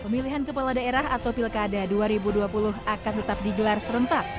pemilihan kepala daerah atau pilkada dua ribu dua puluh akan tetap digelar serentak